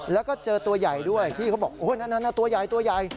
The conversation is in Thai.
แล้วก็เจอตัวใหญ่ด้วยพี่เขาบอกโอ้นั่นตัวใหญ่ตัวใหญ่